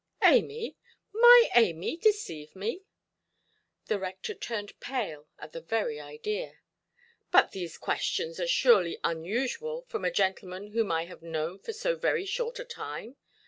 "Amy! my Amy deceive me"! The rector turned pale at the very idea. "But these questions are surely unusual from a gentleman whom I have known for so very short a time.